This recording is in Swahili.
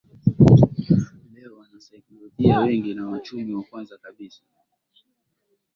Leo wanasaikolojia wengi na wachumi na kwanza kabisa